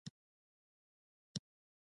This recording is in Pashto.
د قلمې لګول عامه طریقه ده.